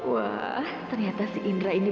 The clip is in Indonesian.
wah ternyata si indra ini